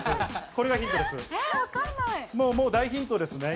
これがヒントです。